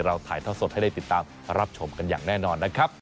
ถ่ายท่อสดให้ได้ติดตามรับชมกันอย่างแน่นอนนะครับ